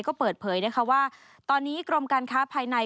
ก็เปิดเผยนะคะว่าตอนนี้กรมการค้าภายใน